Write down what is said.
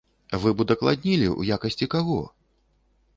Вы б удакладнілі, у якасці каго?